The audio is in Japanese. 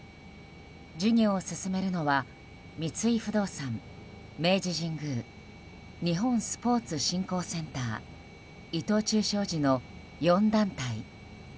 事業を進めるのは三井不動産、明治神宮日本スポーツ振興センター伊藤忠商事の４団体。